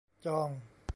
จอง